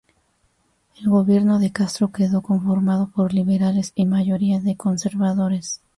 El gobierno de Castro quedó conformado por liberales y mayoría de conservadores.